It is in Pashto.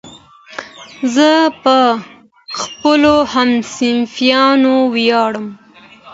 زه په خپلو همصنفیانو ویاړم.